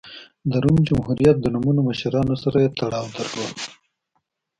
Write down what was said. د روم جمهوریت د نوموتو مشرانو سره یې تړاو درلود